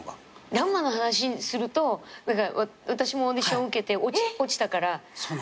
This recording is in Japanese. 『らんま』の話すると私もオーディション受けて落ちたから。